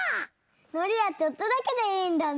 のりはちょっとだけでいいんだね！